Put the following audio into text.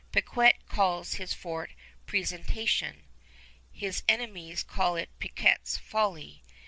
Picquet calls his fort "Presentation." His enemies call it "Picquet's Folly."